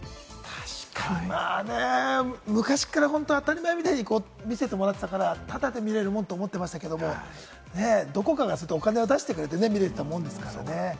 昔からホント、当たり前みたいに見せてもらってたから、ただで見られるものと思ってましたけれどもね、どこかがお金を出してくれて見られていたものでしたからね。